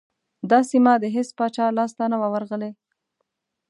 دا سیمه د هیڅ پاچا لاسته نه وه ورغلې.